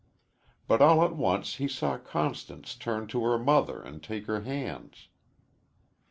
But all at once he saw Constance turn to her mother and take her hands.